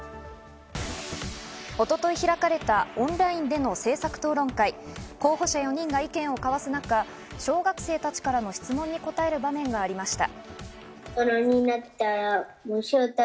一昨日開かれたオンラインでの政策討論会、候補者４人が意見を交わす中、小学生たちからの質問に答える場面がありました。